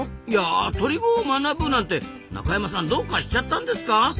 いや鳥語を学ぶなんて中山さんどうかしちゃったんですか？